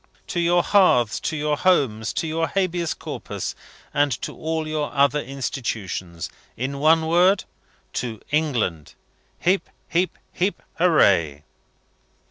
to your Hearths, to your Homes, to your Habeas Corpus, and to all your other institutions! In one word to England! Heep heep heep! hooray!